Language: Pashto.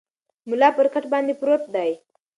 ملا پر کټ باندې پروت دی.